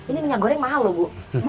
ini minyak goreng mahal loh bu